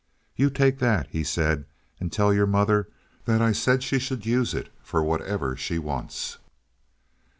"You take that," he said, "and tell your mother that I said she should use it for whatever she wants."